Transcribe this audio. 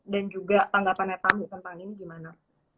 dan juga tanggapannya tami tentang ini gimana